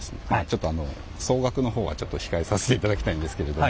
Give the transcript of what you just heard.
ちょっとあの総額のほうはちょっと控えさせていただきたいんですけれども。